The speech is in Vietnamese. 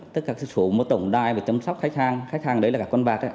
tất cả các số mô tổng đai và chăm sóc khách hàng khách hàng đấy là các con bạc